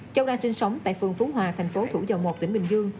châu đang sinh sống tại phường phú hòa thành phố thủ dầu một tỉnh bình dương